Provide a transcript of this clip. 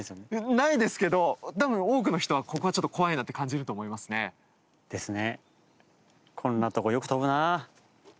ないですけど多分多くの人はここはちょっと怖いなって感じると思いますね。ですね。